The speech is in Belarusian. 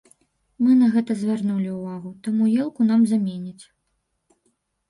Мы на гэта звярнулі ўвагу, таму елку нам заменяць.